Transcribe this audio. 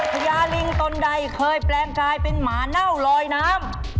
พญาลิงตนใดเคยแปลงกลายเป็นหมาเน่าลอยน้ำ